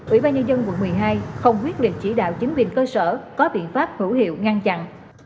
ủy ban nhân dân quận một mươi hai không quyết định chỉ đạo chính quyền cơ sở có biện pháp hữu hiệu ngăn chặn